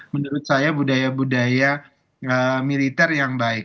menurut saya budaya budaya militer yang baik